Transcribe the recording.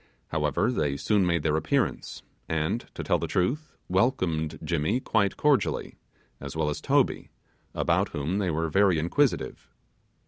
However, they soon made their appearance, and to tell the truth, welcomed Jimmy quite cordially, as well as Toby, about whom they were very inquisitive.